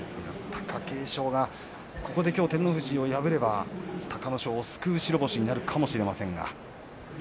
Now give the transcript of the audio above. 貴景勝はきょう照ノ富士を破れば隆の勝を救う白星になるかもしれません。